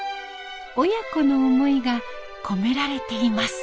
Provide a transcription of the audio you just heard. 親子の思いが込められています。